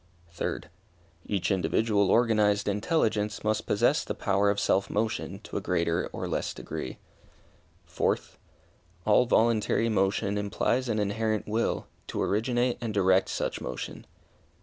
Third. Each individual organized intelligence must possess the power of self motion to a greater or less degree. Fourth. All voluntary motion implies an inherent will, to originate and direct such motion.